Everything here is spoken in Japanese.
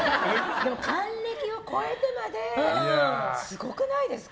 でも、還暦を超えてまですごくないですか？